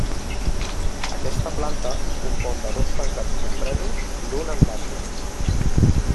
Aquesta planta es compon de dos tancats compresos l'un en l'altre.